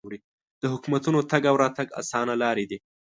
د حکومتونو تګ او راتګ اسانه لارې دي.